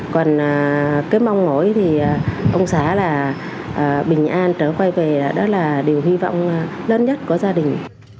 còn cái mong ngỗi thì ông xã là bình an trở quay về là điều hy vọng lớn nhất của gia đình